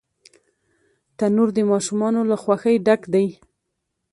تنور د ماشومانو له خوښۍ ډک دی